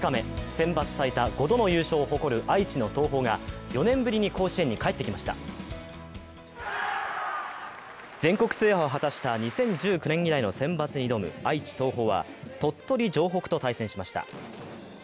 センバツ最多５度の優勝を誇る愛知の東邦が４年ぶりに甲子園に帰ってきました全国制覇を果たした２０１９年以来のセンバツに挑む愛知・東邦は鳥取城北と対戦しました。